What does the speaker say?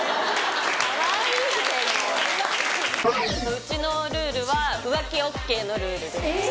・かわいいけど・うちのルールは浮気ＯＫのルールです。